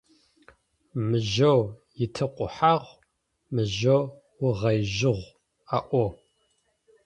«Мыжъо итэкъухьагъу, мыжъо угъоижьыгъу…»,- аӏо.